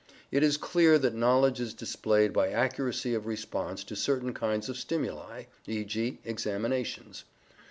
It is clear that knowledge is displayed by accuracy of response to certain kinds of stimuli, e.g. examinations.